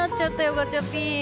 ガチャピン。